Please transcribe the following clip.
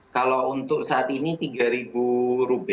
kalau untuk saat ini rp tiga